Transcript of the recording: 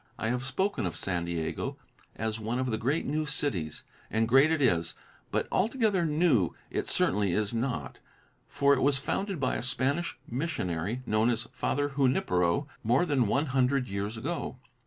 I have spoken of San Diego as one of the great new cities, and great it is, but altogether new it certainly is not, for it was founded by a Spanish missionary, known as Father Junipero, more than one hundred years ago.